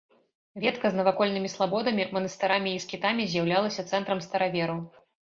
Ветка з навакольнымі слабодамі, манастырамі і скітамі з'яўлялася цэнтрам старавераў.